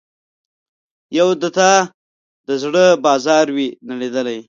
یو د تا د زړه بازار وي نړیدلی